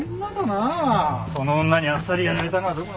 その女にあっさりやられたのはどこの誰だよ？